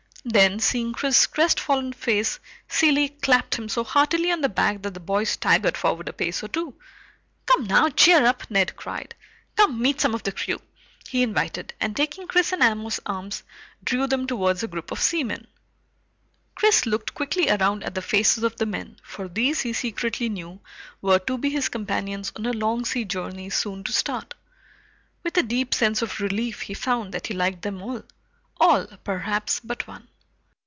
Then, seeing Chris's crestfallen face, Cilley clapped him so heartily on the back that the boy staggered forward a pace or two. "Come now! Cheer up!" Ned cried. "Come meet some of the crew!" he invited, and taking Chris and Amos's arms, drew them towards a group of seamen. Chris looked quickly around at the faces of the men, for these, he secretly knew, were to be his companions on a long sea journey soon to start. With a deep sense of relief he found that he liked them all. All, perhaps, but one.